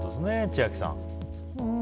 千秋さん。